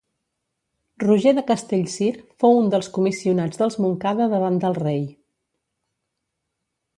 Roger de Castellcir fou un dels comissionats dels Montcada davant del rei.